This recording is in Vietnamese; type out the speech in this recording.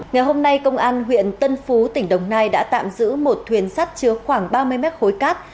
ngày hôm nay công an huyện tân phú tỉnh đồng nai đã tạm giữ một thuyền sắt chứa khoảng ba mươi mét khối cát